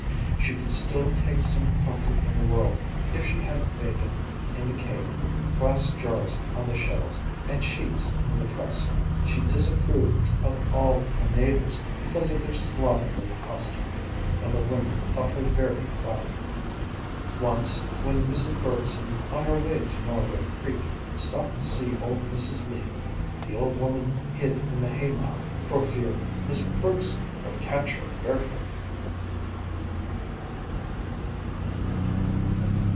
She could still take some comfort in the world if she had bacon in the cave, glass jars on the shelves, and sheets in the press. She disapproved of all her neighbors because of their slovenly housekeeping, and the women thought her very proud. Once when Mrs. Bergson, on her way to Norway Creek, stopped to see old Mrs. Lee, the old woman hid in the haymow "for fear Mis' Bergson would catch her barefoot."